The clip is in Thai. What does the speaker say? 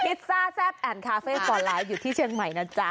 พิซซ่าแซ่บแอนด์คาเฟ่ฟอร์ไลน์อยู่ที่เชียงใหม่นะจ๊ะ